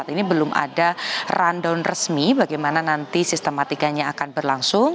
ini belum ada rundown resmi bagaimana nanti sistematikanya akan berlangsung